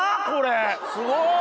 これすご！